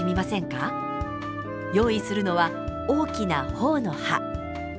用意するのは大きな朴の葉。